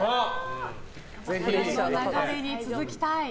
この流れに続きたい。